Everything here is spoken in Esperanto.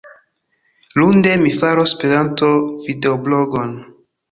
Lunde, mi faros Esperanto-videoblogon.